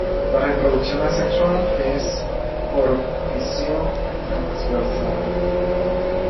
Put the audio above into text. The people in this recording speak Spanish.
La reproducción asexual es por fisión transversal.